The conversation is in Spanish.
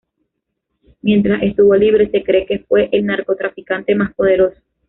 Mientras estuvo libre se cree que fue el narcotraficante más poderoso.